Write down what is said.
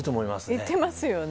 行ってますよね